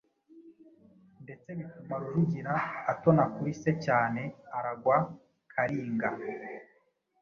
ndetse bituma Rujugira atona kuri se cyane, aragwa Kalinga,